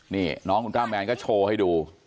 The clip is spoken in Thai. นี่น้องคุณต้าแมนก็โชว์ให้ดู